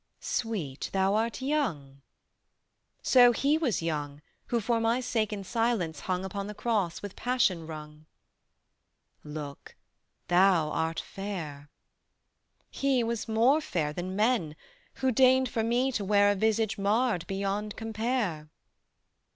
"Sweet, thou art young." "So He was young Who for my sake in silence hung Upon the Cross with Passion wrung." "Look, thou art fair." "He was more fair Than men, Who deigned for me to wear A visage marred beyond compare."